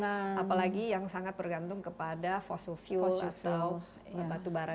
apalagi yang sangat bergantung kepada fossil fuel atau batubara